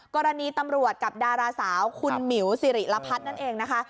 กรณีตำรวจกับดาราสาวคุณหมิวสิริรพัฒน์นั่นเองนะคะ